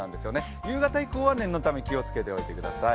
夕方以降は念のため気をつけておいてください。